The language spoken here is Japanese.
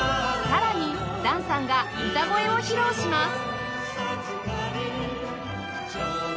さらに檀さんが歌声を披露します